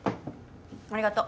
ありがと